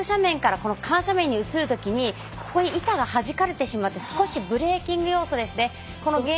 ここから急斜面から緩斜面に移るときにここに板がはじかれてしまって少しブレーキング要素ですね